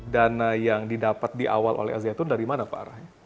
dana yang didapat di awal oleh al zaitun dari mana pak arahnya